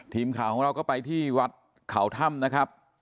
ทีมข่าวของเราก็ไปที่วัดเขาถ้ำนะครับ